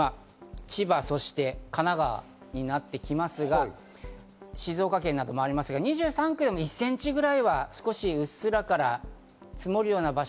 千葉そして神奈川になってきますが、静岡県などもありますが、２３区でも１ｃｍぐらいはうっすら積もるぐらい。